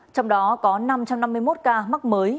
trong đó có năm trăm năm mươi một ca mắc mới